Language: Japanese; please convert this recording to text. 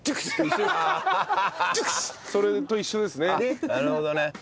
それと一緒ですね。